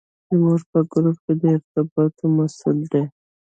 زموږ په ګروپ کې د ارتباطاتو مسوول دی.